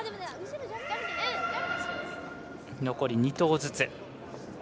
残り２投ずつ。